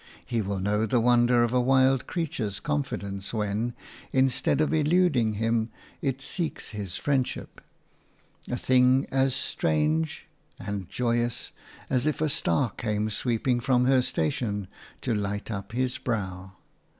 He will know the wonder of a wild creature's confidence when, instead of eluding him, it seeks his friendship – a thing as strange and joyous as if a star came sweeping from her station to light upon his brow.